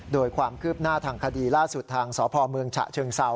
โดยความคืบหน้าทางคดีล่าสุดทางสพเช่งเศร้า